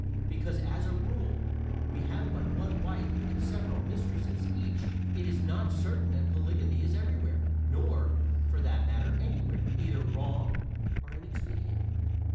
Because, as a rule, we have but one wife and several mistresses each it is not certain that polygamy is everywhere nor, for that matter, anywhere either wrong or inexpedient.